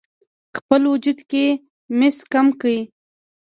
خپل وجود کې مس کم کړئ: